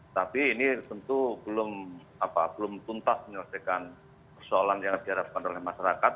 tapi ini tentu belum tuntas menyelesaikan persoalan yang diharapkan oleh masyarakat